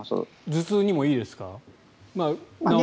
頭痛にもいいですか。